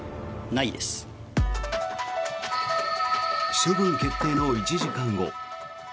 処分決定の１時間後。